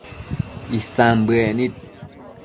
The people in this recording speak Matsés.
Isan bëec nid